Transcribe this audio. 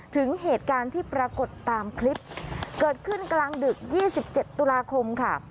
ถึงเหตุการณ์ที่ปรากฏตามคลิปเกิดขึ้นกลางดึก๒๗ตุลาคมค่ะ